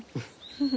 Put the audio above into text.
フフ。